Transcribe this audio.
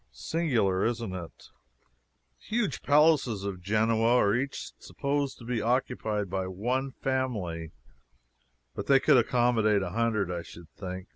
Singular, isn't it? The huge palaces of Genoa are each supposed to be occupied by one family, but they could accommodate a hundred, I should think.